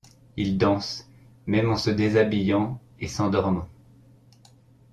Il danse, même en se déshabillant et s'endormant.